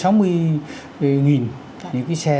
những cái xe